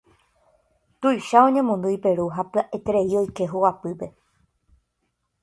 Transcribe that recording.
Tuicha oñemondýi Peru ha pya'eterei oike hogapýpe.